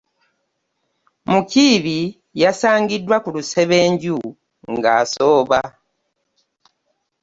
Mukiibi yasangiddwa ku lusebenju ng'asooba.